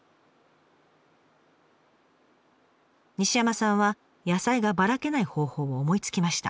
西山さんは野菜がばらけない方法を思いつきました。